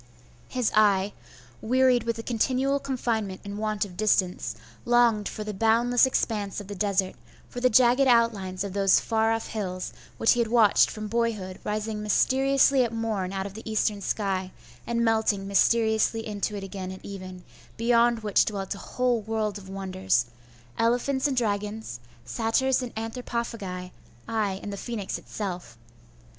His eye, wearied with the continual confinement and want of distance, longed for the boundless expanse of the desert, for the jagged outlines of those far off hills, which he had watched from boyhood rising mysteriously at morn out of the eastern sky, and melting mysteriously into it again at even, beyond which dwelt a whole world of wonders, elephants and dragons, satyrs and anthropophagi, ay, and the phoenix itself.